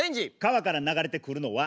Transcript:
川から流れてくるのは？